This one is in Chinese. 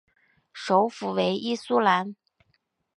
首府为伊苏兰。